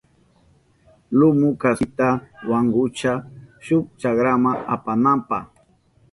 Lumu kaspikunata wankushka shuk chakrama apananpa.